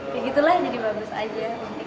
kayak gitulah jadi bagus aja